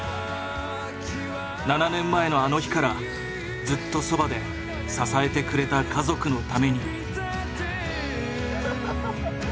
７年前のあの日からずっとそばで支えてくれた家族のために。